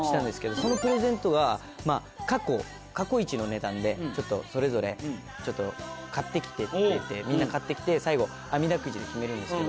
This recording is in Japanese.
そのプレゼントが過去いちの値段でそれぞれ買って来てくれてみんな買って来て最後あみだくじで決めるんですけど。